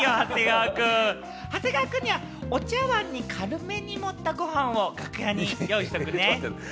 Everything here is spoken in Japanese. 長谷川くんには、お茶わんに、軽めにもったご飯を楽屋に用意しておくね。